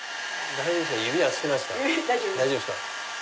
大丈夫です。